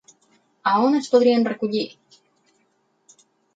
A on es podrien recollir?